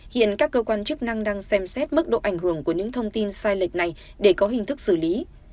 hiện các cơ quan chức năng đang xem xét mức độ ảnh hưởng của những thông tin sai lệch này để có hình thức xử lý